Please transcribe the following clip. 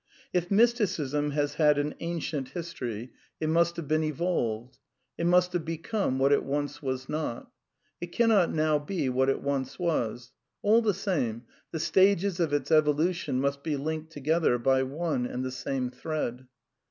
If Mysticism has had an ancient history. THE NEW MYSTICISM 243 it must have been evolved. It must have become what it once was not. It cannot now be what it once was. All the same, the stages of its evolution must be linked to gether by one and the same thread.